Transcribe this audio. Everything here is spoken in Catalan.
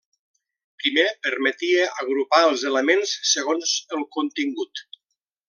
Primer, permetia agrupar els elements segons el contingut.